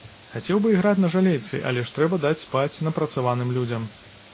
Хацеў бы іграць на жалейцы, але ж трэба даць спаць напрацаваным людзям.